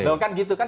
bukan gitu kan